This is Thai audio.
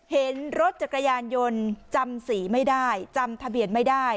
เห็นรถจักรยานยนต์จำสีไม่ได้จำทะเบียนไม่ได้